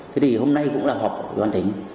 thế thì hôm nay cũng là họp của ubnd